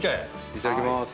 いただきまーす。